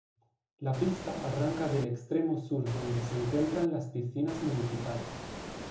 La pista arranca del extremo sur donde se encuentran las piscinas municipales.